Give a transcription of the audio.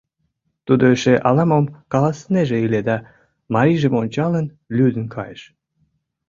Тудо эше ала-мом каласынеже ыле да, марийжым ончалын, лӱдын кайыш.